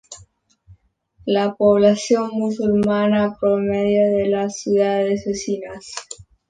La población musulmana proviene de las ciudades vecinas.